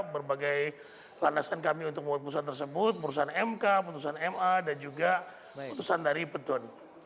berbagai landasan kami untuk membuat keputusan tersebut keputusan mk keputusan ma dan juga keputusan dari petun